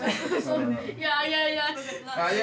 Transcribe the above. いやいやいや。